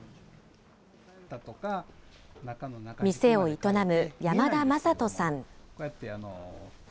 店を営む山田正人さん。